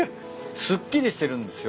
すっきりしてるんですよ。